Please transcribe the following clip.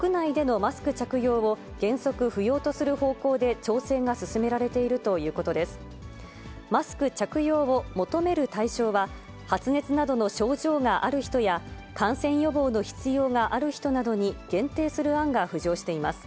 マスク着用を求める対象は、発熱などの症状がある人や、感染予防の必要がある人などに、限定する案が浮上しています。